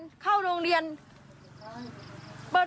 เมื่อกี้มันร้องพักเดียวเลย